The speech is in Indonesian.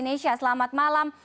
nisha selamat malam